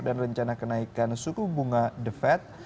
dan rencana kenaikan suku bunga the fed